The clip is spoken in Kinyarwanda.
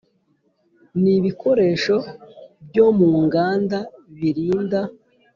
N ibikoresho byo mu nganda birinda